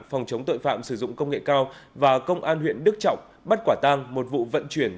phòng chống tội phạm sử dụng công nghệ cao và công an huyện đức trọng bắt quả tang một vụ vận chuyển